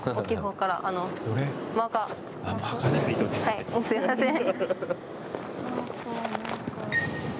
はい、すみません。